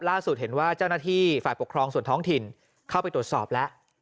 ล่าสุดเห็นว่าเจ้าหน้าที่ฝ่ายปกครองส่วนท้องถิ่นเข้าไปตรวจสอบแล้ว